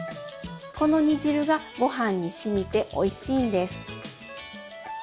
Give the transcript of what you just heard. この煮汁がごはんにしみておいしいんです！